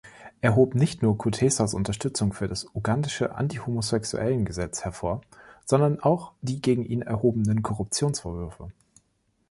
Er hob nicht nur Kutesas Unterstützung für das ugandische Anti-Homosexuellen-Gesetz hervor, sondern auch die gegen ihn erhobenen Korruptionsvorwürfe.